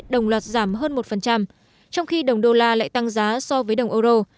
đồng loạt giảm hơn một trong khi đồng đô la lại tăng giá so với đồng euro